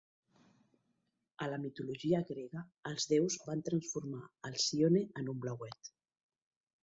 A la mitologia grega, els deus van transformar Alcíone en un blauet.